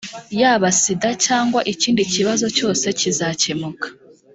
yaba sida cyangwa ikindi kibazo cyose kizakemuka